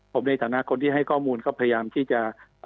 ผมในฐานะคนที่ให้ข้อมูลก็พยายามที่จะ